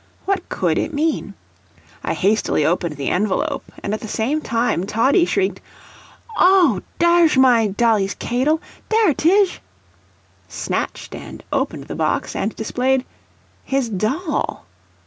What COULD it mean? I hastily opened the envelope, and at the same time Toddie shrieked: "Oh, darsh my dolly's k'adle dare 'tish!" snatched and opened the box, and displayed his doll!